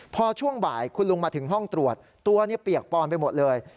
พอช่วงบ่ายคุณลุงมาถึงห้องตรวจตัวเปียกปอนไปหมดเลย